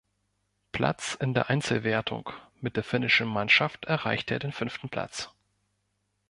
Platz in der Einzelwertung, mit der finnischen Mannschaft erreichte er den fünften Platz.